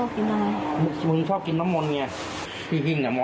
กับมันไม่เอา